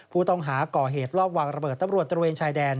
ผู้ต้องหาก่อเหตุลอบวางระเบิดตำรวจตระเวนชายแดน